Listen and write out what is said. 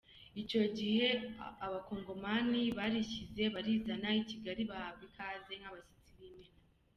Icyo gihe abakongomani barishyize barizana i Kigali, bahabwa ikaze nk’abashyitsi b’imena.